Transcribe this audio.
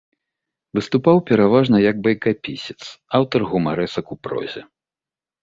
Выступаў пераважна як байкапісец, аўтар гумарэсак у прозе.